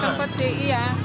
sempat sih iya